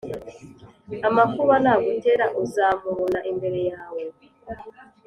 Amakuba nagutera, uzamubona imbere yawe,